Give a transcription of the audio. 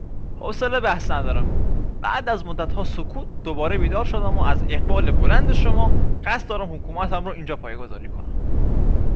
حوصله بحث ندارم. بعد از مدتها سکوت دوباره بیدار شدم و از اقبال بلند شما. قصد دارم حکومتم رو اینجا پایه گذاری کنم.